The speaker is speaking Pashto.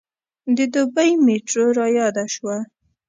د دبۍ میټرو رایاده شوه.